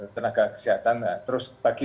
tenaga kesehatan terus bagi